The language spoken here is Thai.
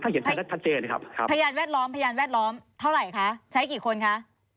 พยานแวดล้อมพยานแวดล้อมเท่าไหร่คะใช้กี่คนคะ